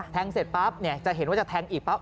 แทงเสร็จปั๊บจะเห็นว่าจะแทงอีกปั๊บ